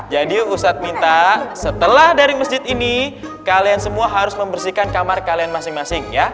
jadi ustadz minta setelah dari masjid ini kalian semua harus membersihkan kamar kalian masing masing ya